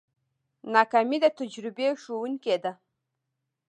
ناکامي د تجربې ښوونکې ده.